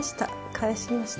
返しました。